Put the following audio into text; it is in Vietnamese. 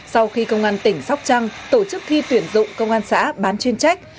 sau khi công an tỉnh sóc trăng tổ chức thi tuyển dụng công an xã bán chuyên trách